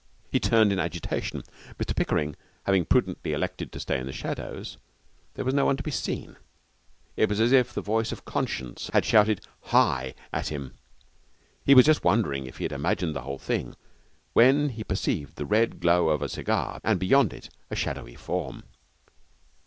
He turned in agitation. Mr Pickering having prudently elected to stay in the shadows, there was no one to be seen. It was as if the voice of conscience had shouted 'Hi!' at him. He was just wondering if he had imagined the whole thing, when he perceived the red glow of a cigar and beyond it a shadowy form.